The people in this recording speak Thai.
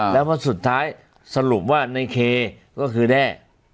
แล้วพอสุดท้ายสรุปว่าในเคก็คือแด้